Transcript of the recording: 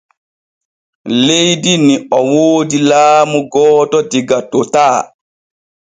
Leydi ni o woodi laamu gooto diga totaa.